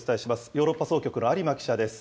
ヨーロッパ総局の有馬記者です。